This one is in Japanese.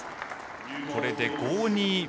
これで５−２。